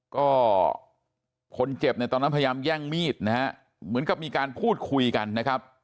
ก็คนเจ็บเนี่ยตอนนั้นพยายามแย่งมีดนะฮะเหมือนกับมีการพูดคุยกันนะครับ